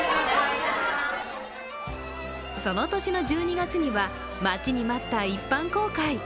その年の１２月には、待ちに待った一般公開。